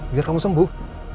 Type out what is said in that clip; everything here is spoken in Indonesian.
biar kamu sembuh